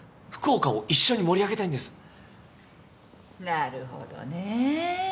なるほどね。